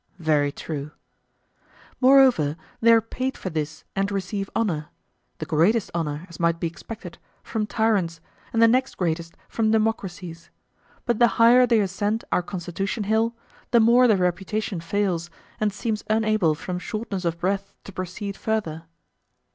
Very true. Moreover, they are paid for this and receive honour—the greatest honour, as might be expected, from tyrants, and the next greatest from democracies; but the higher they ascend our constitution hill, the more their reputation fails, and seems unable from shortness of breath to proceed further.